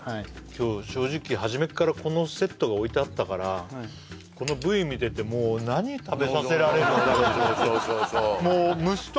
今日正直初めっからこのセットが置いてあったからこのＶ見ててそうそうそうそう